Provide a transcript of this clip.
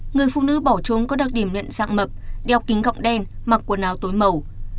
người phụ nữ bỏ trống có đặc điểm nhận dạng mập đeo kính gọng đen mặc quần áo tối màu